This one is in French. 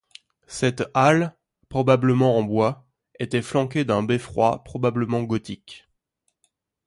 Cette halle, probablement en bois, était flanquée d'un beffroi probablement gothique.